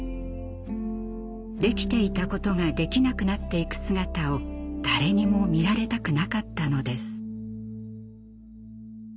できていたことができなくなっていく姿を誰にも見られたくなかったのです。